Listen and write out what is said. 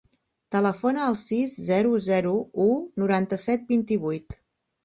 Telefona al sis, zero, zero, u, noranta-set, vint-i-vuit.